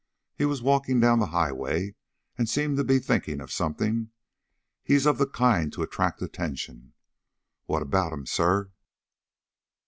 He was walking down the highway, and seemed to be thinking about something. He's of the kind to attract attention. What about him, sir?"